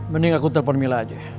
mending aku telepon mila aja